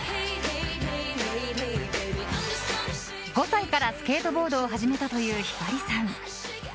５歳からスケートボードを始めたという晃さん。